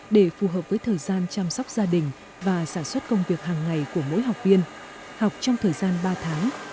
để phù hợp với thời gian chăm sóc gia đình và sản xuất công việc hàng ngày của mỗi học viên học trong thời gian ba tháng